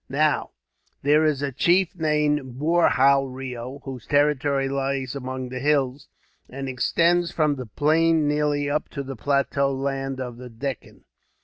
"Now, there is a chief named Boorhau Reo, whose territory lies among the hills, and extends from the plain nearly up to the plateau land of the Deccan.